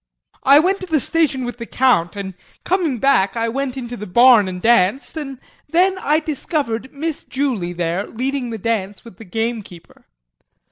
JEAN. I went to the station with the Count and coming back I went in to the barn and danced and then I discovered Miss Julie there leading the dance with the gamekeeper.